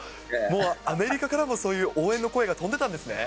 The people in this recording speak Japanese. アメリカからもそういう応援の声が飛んでたんですね。